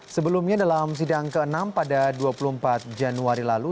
sebelumnya dalam sidang ke enam pada dua puluh empat januari lalu